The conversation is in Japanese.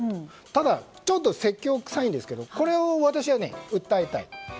ただ、ちょっと説教臭いんですけどこれを私は訴えたい。